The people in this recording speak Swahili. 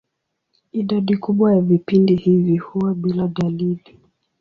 Idadi kubwa ya vipindi hivi huwa bila dalili.